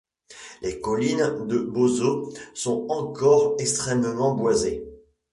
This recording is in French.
Les collines de Bōsō sont encore extrêmement boisées.